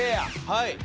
はい。